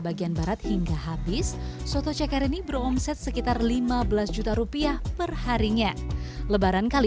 bagian barat hingga habis soto ceker ini beromset sekitar lima belas juta rupiah perharinya lebaran kali